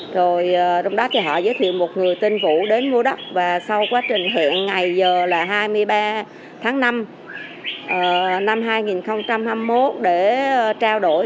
rồi trong đó thì họ giới thiệu một người tên vũ đến mua đất và sau quá trình hiện ngày giờ là hai mươi ba tháng năm năm hai nghìn hai mươi một để trao đổi